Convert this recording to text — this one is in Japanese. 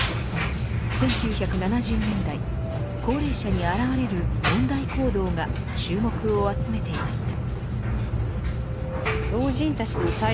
１９７０年代高齢者に現れる問題行動が注目を集めていました。